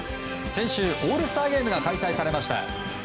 先週、オールスターゲームが開催されました。